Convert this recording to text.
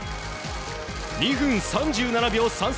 ２分３７秒３３。